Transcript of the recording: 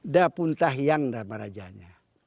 da pun tahyang dalam rajanya